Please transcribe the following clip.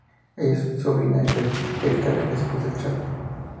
Ella es sobrina de Rebecca la esposa de Choo.